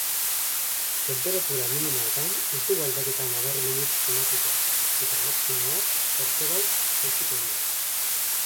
Tenperatura minimoetan ez dugu aldaketa nabarmenik sumatuko eta maximoak zertxobait jaitsiko dira.